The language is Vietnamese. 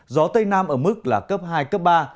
gió tây nam ở mức là cấp hai cấp ba